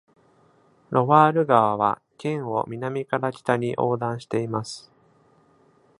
ロワール川は県を南から北に横断しています。